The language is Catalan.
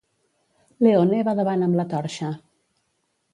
Leone va davant amb la torxa.